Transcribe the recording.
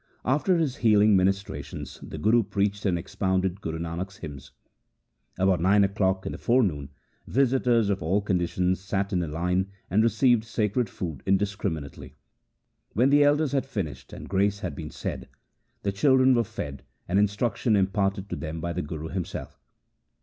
After his healing ministrations the Guru preached and expounded Guru Nanak's hymns. About nine o'clock in the forenoon visitors of all conditions sat in a line, and received sacred food in discriminately. When the elders had finished and grace had been said, the children were fed and instruction imparted to them by the Guru himself.